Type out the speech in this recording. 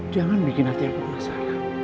jangan bikin hati aku masalah